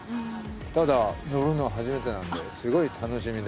ただ登るのは初めてなんですごい楽しみで。